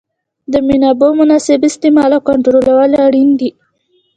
د منابعو مناسب استعمال او کنټرولول اړین دي.